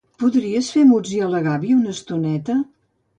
Podries fer muts i a la gàbia una estoneta?